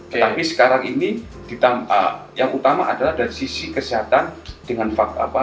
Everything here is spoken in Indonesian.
tetapi sekarang ini yang utama adalah dari sisi kesehatan dengan fakta